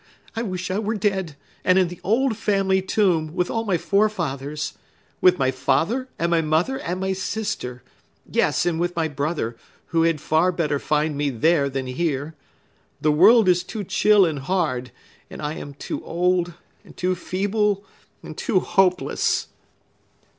I wish I were dead, and in the old family tomb, with all my forefathers! With my father, and my mother, and my sister! Yes, and with my brother, who had far better find me there than here! The world is too chill and hard,—and I am too old, and too feeble, and too hopeless!"